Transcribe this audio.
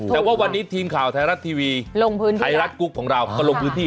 แต่ว่าวันนี้ทีมข่าวไทยรัฐทีวีลงพื้นที่ไทยรัฐกรุ๊ปของเราก็ลงพื้นที่